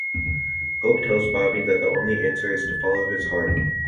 Hope tells Bobby that the only answer is to follow his heart.